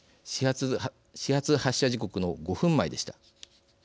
始発発車時刻の５分前でした。